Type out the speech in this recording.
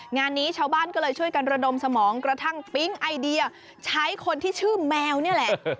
งานนี้ชาวบ้านก็เลยช่วยกันระดมสมองกระทั่งปิ๊งไอเดียใช้คนที่ชื่อแมวนี่แหละ